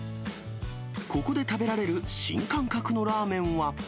ここで食べられる新感覚のラーメンは。